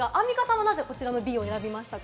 なぜこちらのＢを選びましたか？